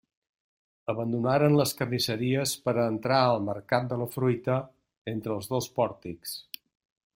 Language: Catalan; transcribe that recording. Abandonaren les carnisseries per a entrar al mercat de la fruita entre els dos pòrtics.